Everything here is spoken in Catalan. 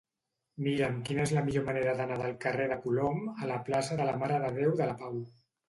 Mira'm quina és la millor manera d'anar del carrer de Colom a la plaça de la Mare de Déu de la Pau.